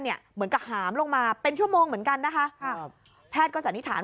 เหมือนกับหามลงมาเป็นชั่วโมงเหมือนกันนะคะครับแพทย์ก็สันนิษฐาน